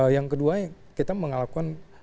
yang kedua kita mengalami pendalaman kesehatan